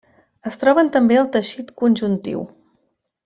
Es troben també al teixit conjuntiu.